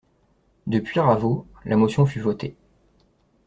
De Puyraveau, la motion fut votée.